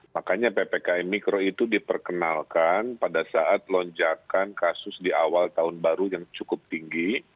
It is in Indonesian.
makanya ppkm mikro itu diperkenalkan pada saat lonjakan kasus di awal tahun baru yang cukup tinggi